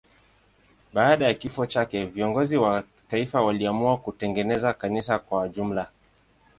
Baada ya kifo chake viongozi wa taifa waliamua kutengeneza kanisa kwa jumla.